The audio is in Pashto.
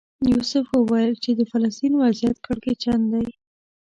یوسف وویل چې د فلسطین وضعیت کړکېچن دی.